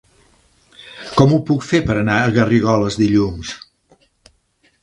Com ho puc fer per anar a Garrigoles dilluns?